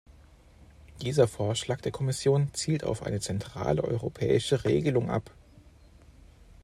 Dieser Vorschlag der Kommission zielt auf eine zentrale europäische Regelung ab.